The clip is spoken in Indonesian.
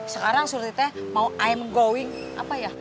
sekarang suruh kita mau i'm going apa ya